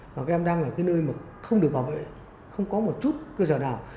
và các em đang là cái nơi mà không được bảo vệ không có một chút cơ sở nào